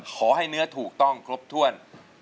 ขอให้เนื้อถูกต้องครบถ้วน